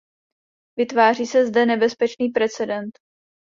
Vytváří se zde nebezpečný precedent.